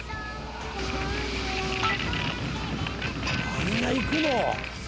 あんな行くの？